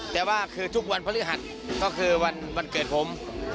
แต่ว่าคือทุกวันพฤหัสก็คือวันเกิดผม